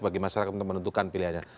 bagi masyarakat untuk menentukan pilihannya